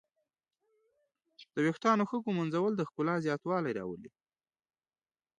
د ویښتانو ښه ږمنځول د ښکلا زیاتوالی راولي.